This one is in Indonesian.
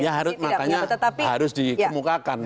ya harus makanya harus dikemukakan